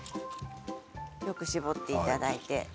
よく絞っていただいて。